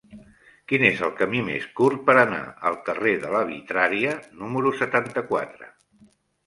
Quin és el camí més curt per anar al carrer de la Vitrària número setanta-quatre?